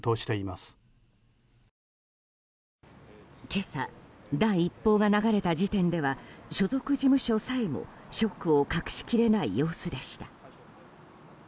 今朝、第一報が流れた時点では所属事務所さえもショックを隠し切れない様子でした。